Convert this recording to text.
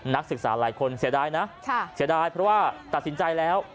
นักศึกษาหลายคนเสียดายนะเสียดายเพราะว่าตัดสินใจแล้ว